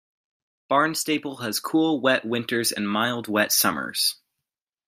Barnstaple has cool, wet winters and mild, wet summers.